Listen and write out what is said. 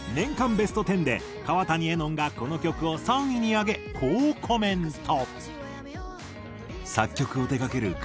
ベスト１０で川谷絵音がこの曲を３位に挙げこうコメント。